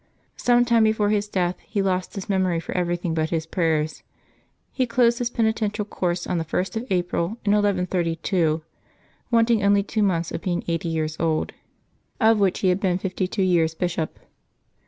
Some time before his death he lost his memory for everything but his prayers. He closed his penitential course on the 1st of April in 1132, wanting only two months of being eighty years old, of which he had been fifty two years bishop.